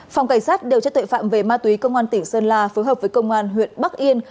phòng cảnh sát đều chất tội phạm về ma túy công an tỉnh sơn la phối hợp với công an huyện bắc yên